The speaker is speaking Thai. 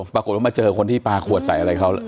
ปรากฏว่ามาเจอคนที่ปลาขวดใส่อะไรเขา